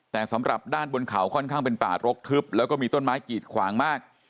แต่สำหรับด้านบนเขาค่อนข้างเป็นป่ารกทึบแล้วก็มีต้นไม้กีดขวางมาก